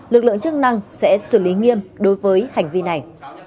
lực lượng chức năng sẽ xử lý nghiêm đối với hành vi này